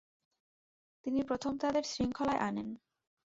তিনি প্রথম তাদের শৃঙ্খলায় আনেন।